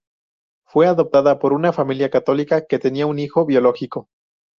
Fue adoptada por una familia católica que tenía un hijo biológico.